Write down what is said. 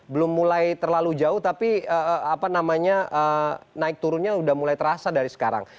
belum mulai terlalu jauh tapi apa namanya naik turunnya sudah mulai terasa dari sekarang